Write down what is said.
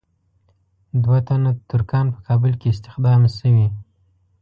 دوه تنه ترکان په کابل کې استخدام شوي.